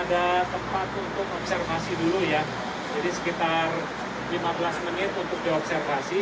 ada tempat untuk observasi dulu ya jadi sekitar lima belas menit untuk diobservasi